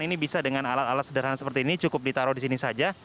ini bisa dengan alat alat sederhana seperti ini cukup ditaruh di sini saja